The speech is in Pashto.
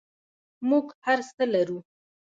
موږ هر څه لرو؟